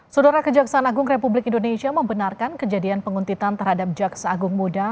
saudara kejaksaan agung republik indonesia membenarkan kejadian penguntitan terhadap jaksa agung muda